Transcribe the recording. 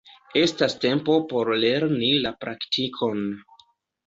Estas tempo por lerni la praktikon.